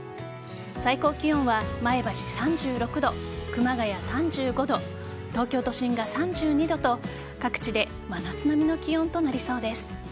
最高気温は前橋３６度熊谷３５度、東京都心が３２度と各地で真夏並みの気温となりそうです。